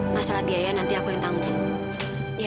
masalah biaya nanti aku yang tanggung